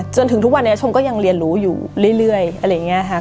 จนถึงทุกวันนี้ชมก็ยังเรียนรู้อยู่เรื่อยอะไรอย่างนี้ค่ะ